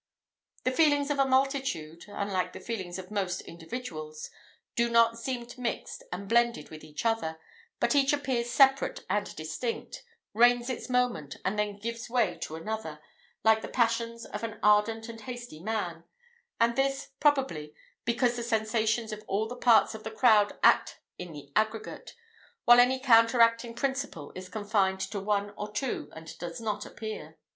The feelings of a multitude, unlike the feelings of most individuals, do not seem mixed and blended with each other, but each appears separate and distinct, reigns its moment, and then gives way to another, like the passions of an ardent and hasty man; and this, probably, because the sensations of all the parts of the crowd act in the aggregate, while any counteracting principle is confined to one or two, and does not appear.